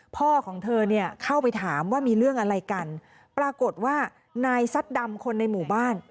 พ่อของเธอเนี่ยเข้าไปถามว่ามีเรื่องอะไรกันปรากฏว่านายซัดดำคนในหมู่บ้าน